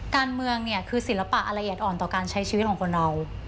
การเมืองเนี่ยคือศิลปะละเอียดอ่อนต่อการใช้ชีวิตของคนเรา